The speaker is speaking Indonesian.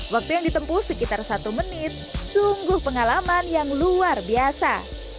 waktu yang ditempuh sekitar satu menit sungguh pengalaman yang luar biasa